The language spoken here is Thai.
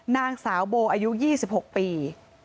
นางสาวโบอายุ๒๖ปี